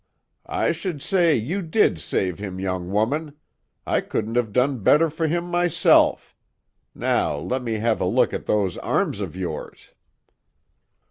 "I should say you did save him, young woman! I couldn't have done better for him myself! Now let me have a look at those arms of yours."